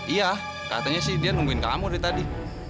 iya katanya sih dia nungguin kamu dari tadi